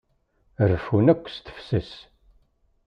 Reffun akk s tefses.